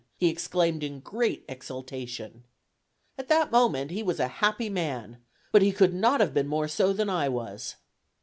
he exclaimed in great exultation. At that moment he was a happy man, but he could not have been more so than I was.